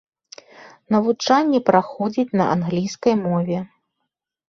Навучанне праходзіць на англійскай мове.